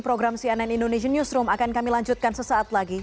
program cnn indonesian newsroom akan kami lanjutkan sesaat lagi